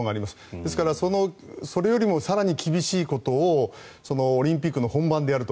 ですからそれよりも更に厳しいことをオリンピックの本番でやると。